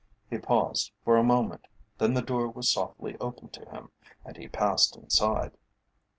He paused for a moment, then the door was softly opened to him, and he passed inside.